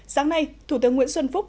sáng nay thủ tướng nguyễn xuân phúc